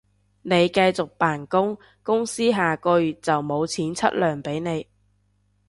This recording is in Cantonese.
你繼續扮工，公司下個月就無錢出糧畀你